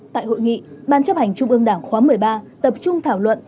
tại hội nghị ban chấp hành trung ương đảng khóa một mươi ba tập trung thảo luận